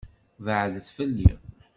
Beɛɛdet fell-i!